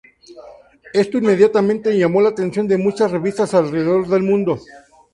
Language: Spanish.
Esto inmediatamente llamó la atención de muchas revistas alrededor del mundo.